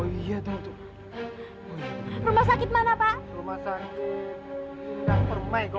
oh iya tuh rumah sakit mana pak rumah sakit indah permai kok